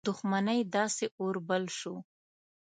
دښمنۍ داسي اور بل شو.